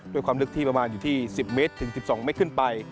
ด้วยความลึกที่ประมาณอยู่ที่๑๐เมตรถึง๑๒เมตรขึ้นไป